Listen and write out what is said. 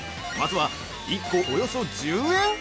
まずは、１個およそ１０円！？